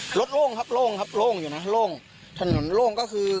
โล่งครับโล่งครับโล่งอยู่นะโล่งถนนโล่งก็คือ